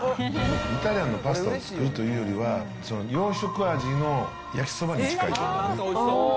イタリアンのパスタを作るというよりは、洋食味の焼きそばに近いと思うね。